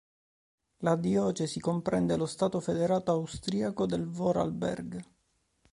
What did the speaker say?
La diocesi comprende lo stato federato austriaco del Vorarlberg.